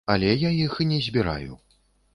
Але я іх не збіраю.